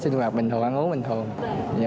như sinh hoạt bình thường ăn uống bình thường